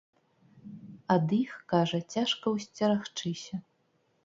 Ад іх, кажа, цяжка ўсцерагчыся.